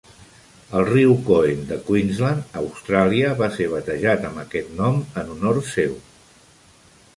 El riu Coen de Queensland, Austràlia, va ser batejat amb aquest nom en honor seu.